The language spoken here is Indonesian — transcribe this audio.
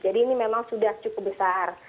jadi ini memang sudah cukup besar